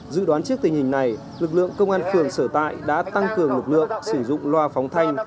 dự đoán trước tình hình này lực lượng công an phường sở tại đã tăng cường lực lượng sử dụng loa phóng thanh